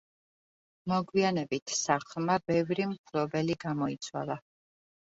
მოგვიანებით სახლმა ბევრი მფლობელი გამოიცვალა.